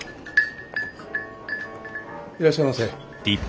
いらっしゃいませ。